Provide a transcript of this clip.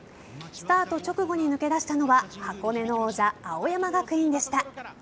スタート直後に抜け出したのは箱根の王者・青山学院でした。